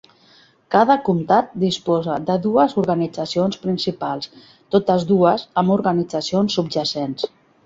Cada comtat disposa de dues organitzacions principals, totes dues amb organitzacions subjacents.